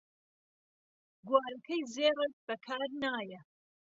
گوارەکەی زێڕت بەکار نایە